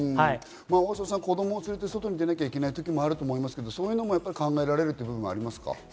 大沢さん、子供を連れて外に出なきゃいけない時もあると思いますが、そういう部分も考えられますか？